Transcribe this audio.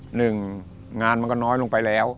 หนึ่งงานมันก็น้อยลงไปแล้ว